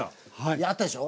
あったでしょ。